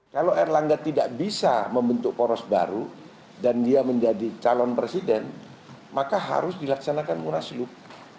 kalau erlangga tidak bisa membentuk poros baru dan dia menjadi calon presiden maka harus dilaksanakan munaslup